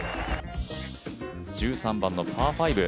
１３番のパー５。